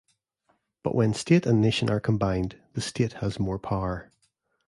But when state and nation are combined, the state has more power.